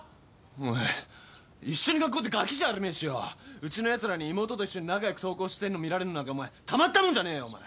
お前一緒に学校ってがきじゃあるめえしようちのやつらに妹と一緒に仲良く登校してんの見られるのなんかお前たまったもんじゃねえよお前！